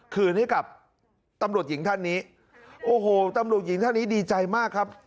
คืนให้กับตำรวจหญิงท่านนี้โอ้โหตำรวจหญิงท่านนี้ดีใจมากครับ